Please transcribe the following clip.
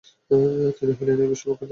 তিনি হইলেন এই বিশ্ব-ব্রহ্মাণ্ডের স্রষ্টা।